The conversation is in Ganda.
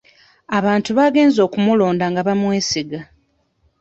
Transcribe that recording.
Abantu baagenze okumulonda nga bamwesiga.